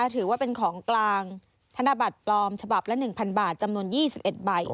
ถือว่าเป็นของกลางธนบัตรปลอมฉบับละ๑๐๐บาทจำนวน๒๑ใบ